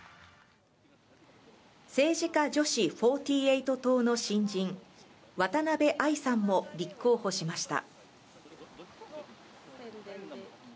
政治家女子４８党の新人、渡部亜衣さんも立候補しました。